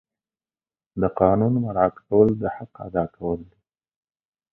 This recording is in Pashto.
د قانون مراعات کول د حق ادا کول دي.